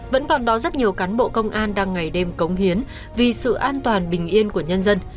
vẫn còn đó rất nhiều cán bộ công an đang ngày đêm cống hiến vì sự an toàn bình yên của nhân dân